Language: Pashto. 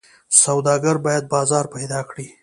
سوداګر باید بازار پیدا کړي.